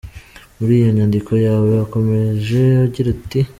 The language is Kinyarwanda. Muri iyo nyadiko yawe wakomeje ugira uti